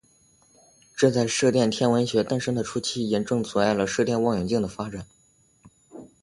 这在射电天文学诞生的初期严重阻碍了射电望远镜的发展。